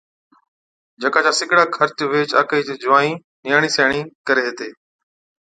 جڪا چا سِگڙا خرچ ويھِچ آڪھِي چي جُووائِي (نِياڻي سِياڻي) ڪري ھِتي